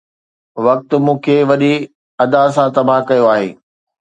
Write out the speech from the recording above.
وقت مون کي وڏي ادا سان تباهه ڪيو آهي